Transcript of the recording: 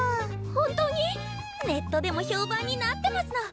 本当に⁉ネットでも評判になってますの。